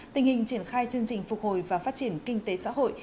tình hình triển khai chương trình phục hồi và phát triển kinh tế xã hội